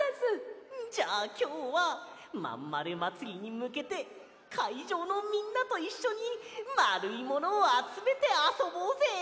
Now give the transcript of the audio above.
じゃあきょうはまんまるまつりにむけてかいじょうのみんなといっしょにまるいものをあつめてあそぼうぜ！